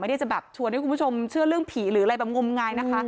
จะแบบชวนให้คุณผู้ชมเชื่อเรื่องผีหรืออะไรแบบงมงายนะคะ